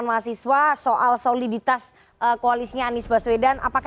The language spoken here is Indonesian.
tapi enam belas juli itu hari apa pak